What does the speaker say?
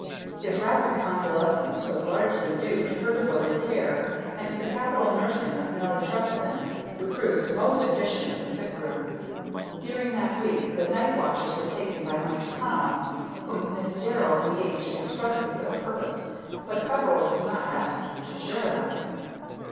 His rapid convalescence was largely due to her devoted care, and to the capital nursing of Nelly Trefethen, who proved most efficient in the sick room. During that week the night watches were taken by Mike Connell, whom Miss Darrell engaged expressly for the purpose, but Peveril was not asked to share them.